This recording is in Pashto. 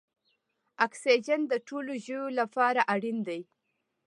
اکسیجن د ټولو ژویو لپاره اړین دی